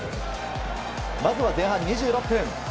まずは前半２６分。